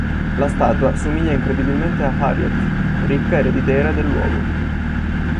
La statua somiglia incredibilmente ad Harriet, ricca ereditiera del luogo.